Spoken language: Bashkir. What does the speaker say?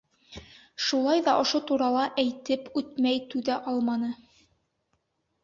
Шулай ҙа ошо турала әйтеп үтмәй түҙә алманы.